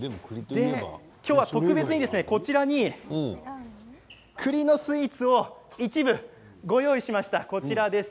今日は特別に、こちらに栗のスイーツを一部ご用意しました。